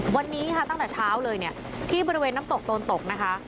วันนี้ค่ะตั้งแต่เช้าเลยเนี่ยที่บริเวณน้ำตกโตนตกนะคะ